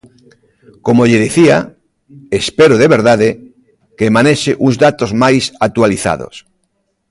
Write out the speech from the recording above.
Como lle dicía, espero, de verdade, que manexe uns datos máis actualizados.